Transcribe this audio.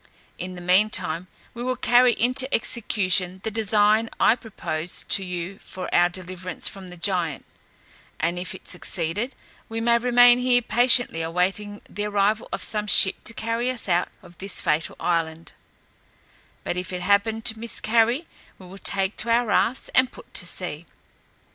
In the mean time, we will carry into execution the design I proposed to you for our deliverance from the giant, and if it succeed, we may remain here patiently awaiting the arrival of some ship to carry us out of this fatal island; but if it happen to miscarry, we will take to our rafts, and put to sea.